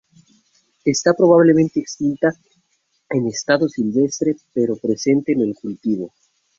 Está probablemente extinta en estado silvestre pero presente en el cultivo.